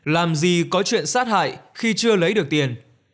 làm gì có chuyện sát hại khi chưa lấy được tiền